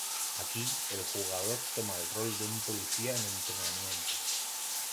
Aquí, el jugador toma el rol de un policía en entrenamiento.